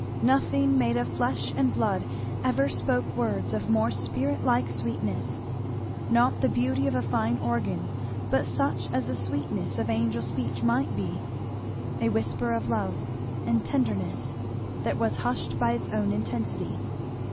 Nothing made of flesh and blood ever spoke words of more spirit like sweetness, not the beauty of a fine organ, but such as the sweetness of angel speech might be; a whisper of love and tenderness that was hushed by its own intensity.